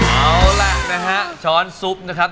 เอาล่ะนะฮะช้อนซุปนะครับ